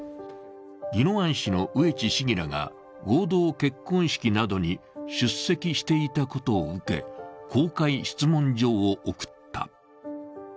宜野湾市の上地市議らが合同結婚式などに出席していたことを受け、公開質問状を送った。